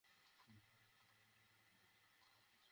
আমি আমার বর্তমান লাইফে খুশি আছি।